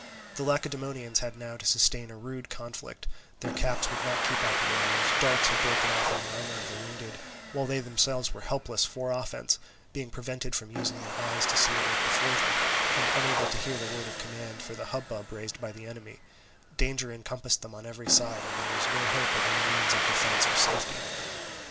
The Lacedaemonians had now to sustain a rude conflict; their caps would not keep out the arrows, darts had broken off in the armour of the wounded, while they themselves were helpless for offence, being prevented from using their eyes to see what was before them, and unable to hear the words of command for the hubbub raised by the enemy; danger encompassed them on every side, and there was no hope of any means of defence or safety.